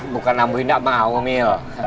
bukan nambuh enggak mau mil